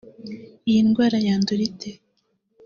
Iyi ndwara yandura ite